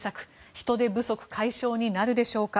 人手不足解消になるでしょうか。